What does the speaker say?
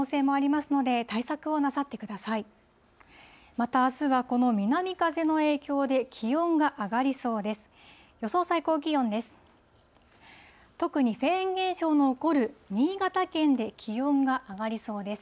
また、あすはこの南風の影響で気温が上がりそうです。